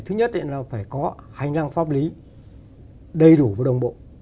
thứ nhất là phải có hành lang pháp lý đầy đủ và đồng bộ